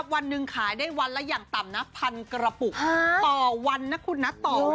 วันนึงขายได้วันแล้วอย่างต่ำ๑๐๐๐กระปุกต่อวันนะคุณนะ